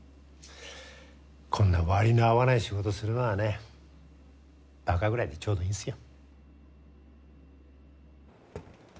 こんな割の合わない仕事するのはねバカぐらいでちょうどいいんすよ。